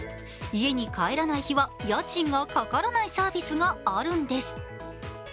家に帰らない日は家賃がかからないサービスがあるんです。